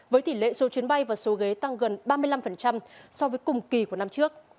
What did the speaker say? với tỷ lệ số chuyến bay và số ghế tăng gần ba mươi năm so với cùng kỳ của năm trước